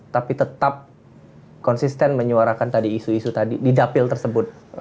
tapi tetap konsisten menyuarakan tadi isu isu tadi di dapil tersebut